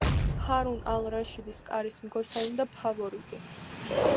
ჰარუნ ალ-რაშიდის კარის მგოსანი და ფავორიტი.